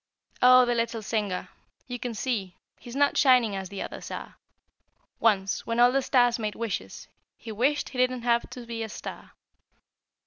Oh, the little Singer! (You can see He's not shining as the others are.) Once, when all the stars made wishes, he Wished he didn't have to be a star.